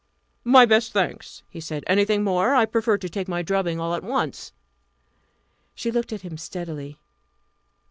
"My best thanks!" he said. "Anything more? I prefer to take my drubbing all at once." She looked at him steadily.